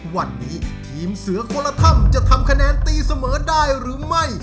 วันนี้ทีมเสือคนละท่ำจะทำคะแนนตีเสมอได้หรือไม่